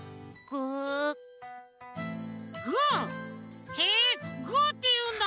ぐー？へえぐーっていうんだ。